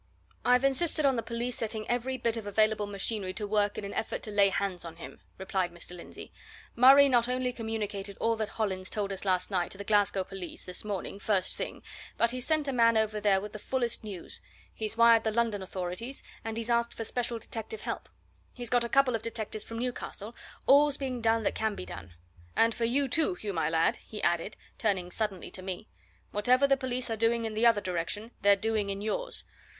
"I've insisted on the police setting every bit of available machinery to work in an effort to lay hands on him," replied Mr. Lindsey. "Murray not only communicated all that Hollins told us last night to the Glasgow police this morning, first thing, but he's sent a man over there with the fullest news; he's wired the London authorities, and he's asked for special detective help. He's got a couple of detectives from Newcastle all's being done that can be done. And for you too, Hugh, my lad!" he added, turning suddenly to me. "Whatever the police are doing in the other direction, they're doing in yours.